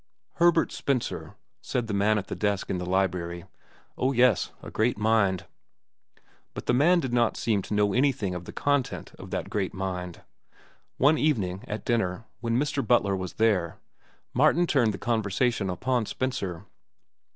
"Herbert Spencer," said the man at the desk in the library, "oh, yes, a great mind." But the man did not seem to know anything of the content of that great mind. One evening, at dinner, when Mr. Butler was there, Martin turned the conversation upon Spencer.